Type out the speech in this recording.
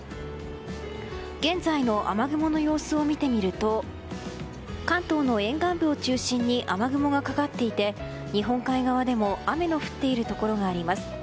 現在の雨雲の様子を見てみると関東の沿岸部を中心に雨雲がかかっていて日本海側でも雨の降っているところがあります。